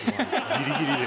ギリギリで。